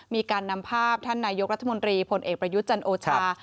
มีการนำภาพท่านนายกรัฐมนตรีผลเอกประยุทธ์จันโอชา